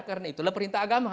karena itulah perintah agama